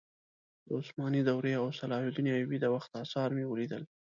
د عثماني دورې او صلاح الدین ایوبي د وخت اثار مې ولیدل.